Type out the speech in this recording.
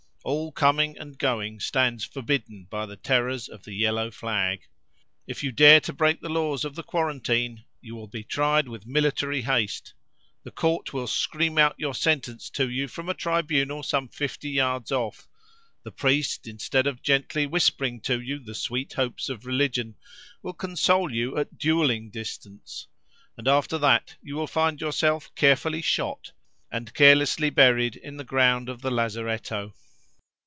All coming and going stands forbidden by the terrors of the yellow flag. If you dare to break the laws of the quarantine, you will be tried with military haste; the court will scream out your sentence to you from a tribunal some fifty yards off; the priest, instead of gently whispering to you the sweet hopes of religion, will console you at duelling distance; and after that you will find yourself carefully shot, and carelessly buried in the ground of the lazaretto.